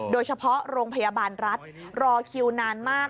โดยเฉพาะโรงพยาบาลรัฐรอคิวนานมาก